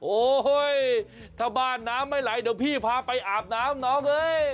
โอ๊ยถ้าบ้านน้ำไม่ไหลเดี๋ยวพี่พาไปอาบน้ำน้องเอ้ย